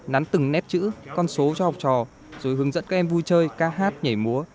nắn từng nét chữ con số cho học trò rồi hướng dẫn các em vui chơi ca hát nhảy múa